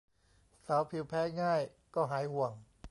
สาวผิวแพ้ง่ายก็หายห่วง